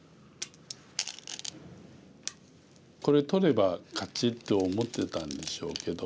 これ取れば勝ちと思ってたんでしょうけど。